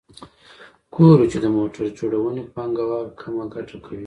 ګورو چې د موټر جوړونې پانګوال کمه ګټه کوي